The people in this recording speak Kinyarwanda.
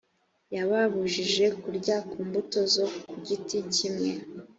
yababujije kurya ku mbuto zo ku giti kimwe